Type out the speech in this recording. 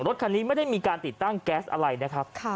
รถคันนี้ไม่ได้มีการติดตั้งแก๊สอะไรนะครับ